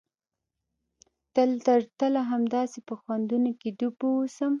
تل تر تله همداسې په خوندونو کښې ډوب واوسم.